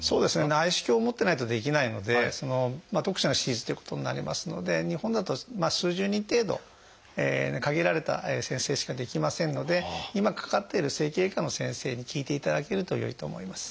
内視鏡を持ってないとできないので特殊な手術ということになりますので日本だと数十人程度の限られた先生しかできませんので今かかっている整形外科の先生に聞いていただけるとよいと思います。